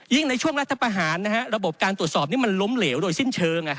ในช่วงรัฐประหารระบบการตรวจสอบนี้มันล้มเหลวโดยสิ้นเชิง